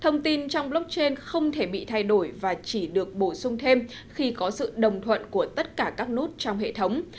thông tin trong blockchain không thể bị thay đổi và chỉ được bổ sung thêm khi có sự đồng thuận của tất cả các nút trong hệ thống